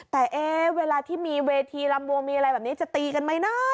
แต่เวลาที่มีเวทีลำวงมีอะไรแบบนี้จะตีกันไหมนะ